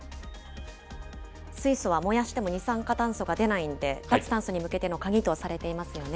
水素は燃やしても二酸化炭素が出ないので、脱炭素に向けての鍵とされてますよね。